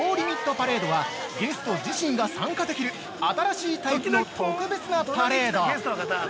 パレード」はゲスト自身が参加できる新しいタイプの特別なパレード！